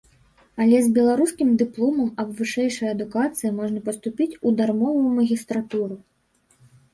Але з беларускім дыпломам аб вышэйшай адукацыі можна паступіць у дармовую магістратуру.